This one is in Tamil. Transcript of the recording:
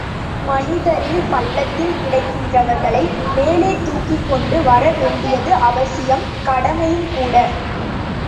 மனிதரில் பள்ளத்தில் கிடக்கிறவர்களை மேலே தூக்கிக் கொண்டு வரவேண்டியது அவசியம்., கடமையும் கூட!